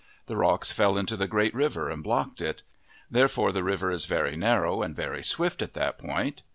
The rocks fell into the Great River, and blocked it. Therefore the river is very narrow and very swift at that point.